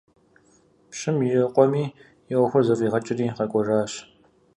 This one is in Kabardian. Пщым и къуэми и Ӏуэхур зыфӀигъэкӀри къэкӀуэжащ.